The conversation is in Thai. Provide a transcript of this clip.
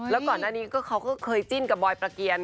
แล้วก่อนหน้านี้เขาก็เคยจิ้นกับบอยประเกียร